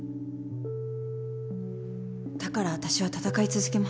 だからわたしは闘い続けます。